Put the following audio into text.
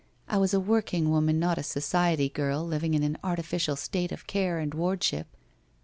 I was a working woman, not a society girl living in an artificial state of care and wardship.